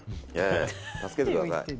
助けてください。